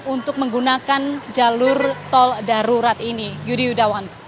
untuk menggunakan jalur tol darurat ini yudi yudawan